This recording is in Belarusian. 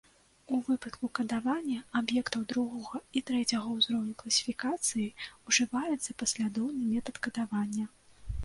У выпадку кадавання аб'ектаў другога і трэцяга ўзроўню класіфікацыі ўжываецца паслядоўны метад кадавання.